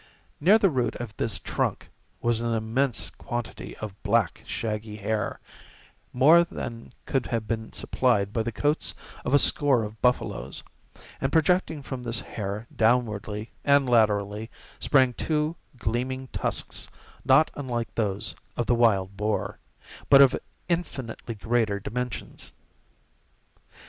Near the root of this trunk was an immense quantity of black shaggy hair—more than could have been supplied by the coats of a score of buffaloes; and projecting from this hair downwardly and laterally, sprang two gleaming tusks not unlike those of the wild boar, but of infinitely greater dimensions.